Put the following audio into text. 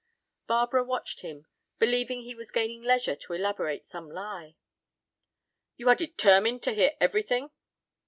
Barbara watched him, believing he was gaining leisure to elaborate some lie. "You are determined to hear everything?"